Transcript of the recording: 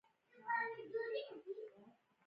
غنم پنځه کیلو او اوسپنه یو کیلو ده.